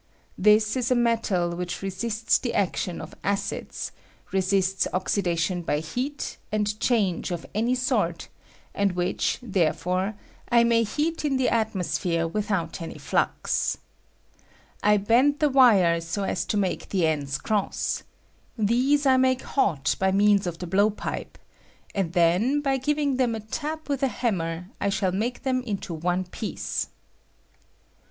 This is a metal which resists the action of acids, resists oxida tion by heat, and change of any sort, and which, therefore, I may heat in the atmosphere with out any flux, I bend the wire so as to make the ends cross : these I make hot by means of the blowpipe, and then, by giving them a tap with a hammer, I shall make them into one piece.